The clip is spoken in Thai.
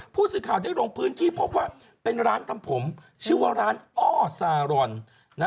ผู้สื่อข่าวได้ลงพื้นที่พบว่าเป็นร้านทำผมชื่อว่าร้านอ้อซารอน